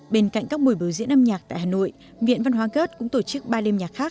bên cạnh các buổi biểu diễn âm nhạc tại hà nội viện văn hóa gớt cũng tổ chức ba đêm nhạc khác